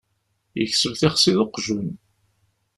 Yekseb tixsi d uqjun.